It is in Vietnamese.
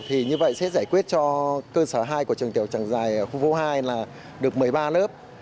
thì như vậy sẽ giải quyết cho cơ sở hai của trường tiểu trang dài ở khu phố hai là được một mươi ba lớp